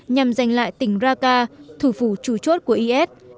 nhằm giành lại tỉnh raka thủ phủ chủ chốt của is